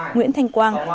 nguyễn thành quang